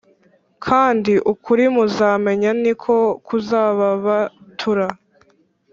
Kandi ukuri muzamenya niko kuzababatura